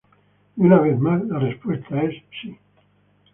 Y una vez más, la respuesta es sí.